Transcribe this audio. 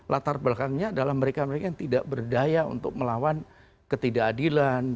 latar belakangnya adalah mereka mereka yang tidak berdaya untuk melawan ketidakadilan